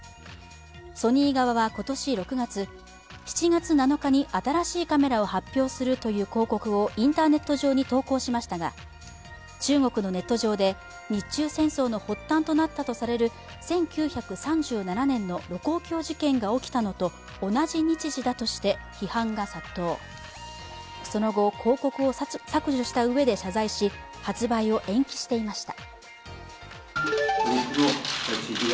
ソニー側は今年６月、７月７日に新しいカメラを発表するという広告をインターネット上に投稿しましたが中国のネット上で、日中戦争の発端となったとされる１９３７年の盧溝橋事件が起きたのと同じ日時だとして批判が殺到、その後広告を削除した上で謝罪し発売を延期していました。